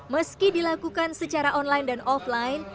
meski dilakukan secara online dan offline